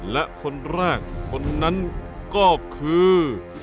และคนแรกคนนั้นก็คือ